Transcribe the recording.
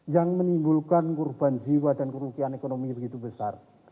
yang menimbulkan korban jiwa dan kerugian ekonomi begitu besar